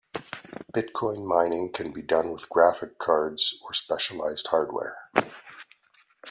Bitcoin mining can be done with graphic cards or with specialized hardware.